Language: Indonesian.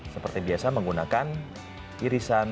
seperti biasa menggunakan iris